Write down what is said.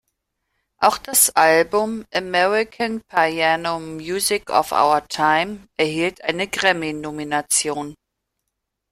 Auch das Album "American Piano Music of Our Time" erhielt eine Grammy-Nomination.